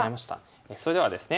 それではですね